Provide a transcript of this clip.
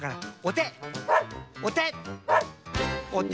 おて！